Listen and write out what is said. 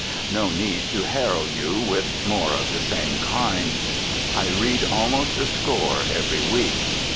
No need to harrow you with more of the same kind. I read almost a score every week.